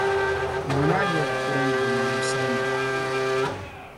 Ŋɔ maa nyɛla kurumbuni nima salima.